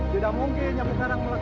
tidak mungkin jamu karo melakukan itu